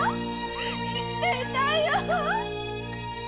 生きていたいよ！